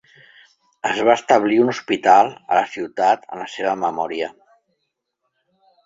Es va establir un hospital a la ciutat en la seva memòria.